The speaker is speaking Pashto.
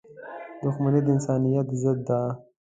• دښمني د انسانیت ضد ده.